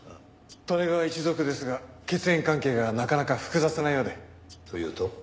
利根川一族ですが血縁関係がなかなか複雑なようで。というと？